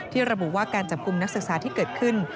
ระบุว่าการจับกลุ่มนักศึกษาที่เกิดขึ้น